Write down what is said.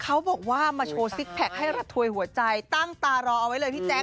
เขาบอกว่ามาโชว์ซิกแพคให้ระถวยหัวใจตั้งตารอเอาไว้เลยพี่แจ๊